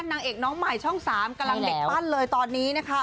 นางเอกน้องใหม่ช่อง๓กำลังเด็กปั้นเลยตอนนี้นะคะ